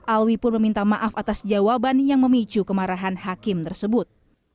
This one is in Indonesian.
alwi pun meminta maaf atas jawaban yang memicu kemarahan hakim tersebut